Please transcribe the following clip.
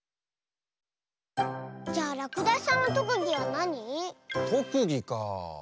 じゃあらくだしさんのとくぎはなに？とくぎかあ。